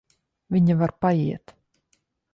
Viņa var paiet.